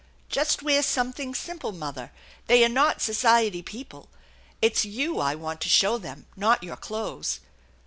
"Just wear something simple, mother. They are not society people. It's you I want to show them, not your clothes."